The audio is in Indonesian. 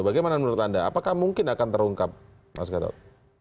bagaimana menurut anda apakah mungkin akan terungkap mas gatot